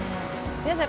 皆さん